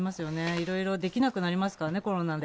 いろいろできなくなりますからね、コロナで。